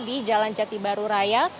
di jalan jati baru raya